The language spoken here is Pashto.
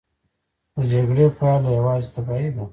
د جګړې پایله یوازې تباهي ده.